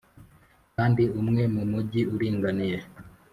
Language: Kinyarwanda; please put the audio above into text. kandi umwe mumujyi uringaniye;